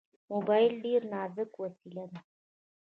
موبایل ډېر نازک وسیله ده.